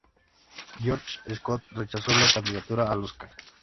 George C. Scott rechazó la candidatura al Oscar.